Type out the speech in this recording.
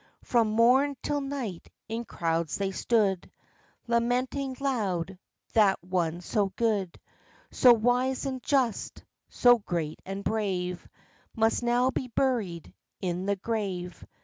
From morn till night, in crowds they stood, Lamenting loud that one so good, So wise and just, so great and brave, Must now be buried in the grave.